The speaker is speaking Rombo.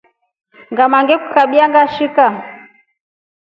Ngama ngrkukabya nikashika.